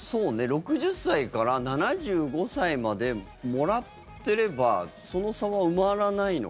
６０歳から７５歳までもらってればその差は埋まらないの？